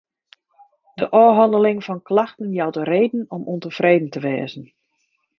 De ôfhanneling fan klachten jout reden om ûntefreden te wêzen.